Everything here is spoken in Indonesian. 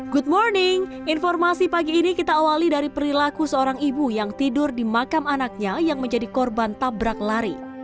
good morning informasi pagi ini kita awali dari perilaku seorang ibu yang tidur di makam anaknya yang menjadi korban tabrak lari